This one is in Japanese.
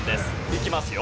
いきますよ。